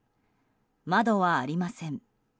窓はありません。